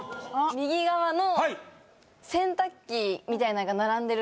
右側のはい洗濯機みたいなのが並んでる